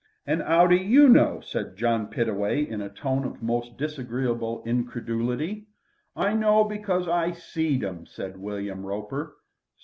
"An' 'ow do you know?" said John Pittaway in a tone of most disagreeable incredulity. "I know because I seed 'em," said William Roper.